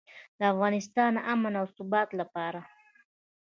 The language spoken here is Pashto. د افغانستان امن او ثبات لپاره.